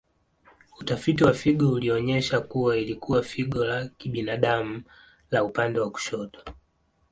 Utafiti wa figo ulionyesha kuwa ilikuwa figo la kibinadamu la upande wa kushoto.